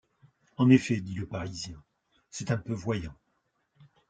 En effet, dit le parisien, c’est un peu voyant.